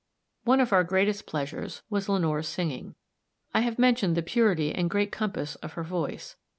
One of our greatest pleasures was in Lenore's singing. I have mentioned the purity and great compass of her voice.